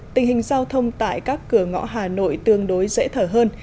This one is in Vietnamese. tình hình giao thông tại các cửa ngõ hà nội tương đối dễ thở hơn